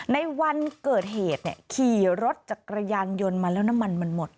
ในวันเกิดเหตุขี่รถจักรยานยนต์มาแล้วน้ำมันมันหมด